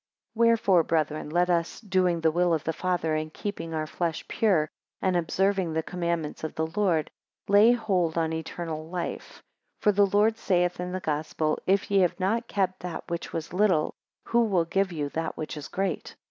17 Wherefore, brethren, let us, doing the will of the Father, and keeping our flesh pure, and observing the commandments of the Lord, lay hold on eternal life: for the Lord saith in the Gospel, If ye have not kept that which was little, who will give you that which is great?